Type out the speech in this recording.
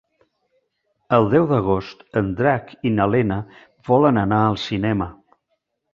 El deu d'agost en Drac i na Lena volen anar al cinema.